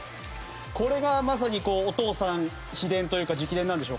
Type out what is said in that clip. これがまさにお父さん秘伝というか直伝なんでしょうか？